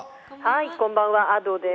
こんばんは、Ａｄｏです。